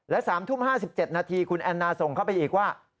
และ๓ทุ่ม๕๗นาทีคุณแอนนาส่งเข้าไปอีกว่า